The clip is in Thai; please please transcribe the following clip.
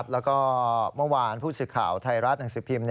แล้วก็เมื่อวานผู้สื่อข่าวไทยรัฐหนังสือพิมพ์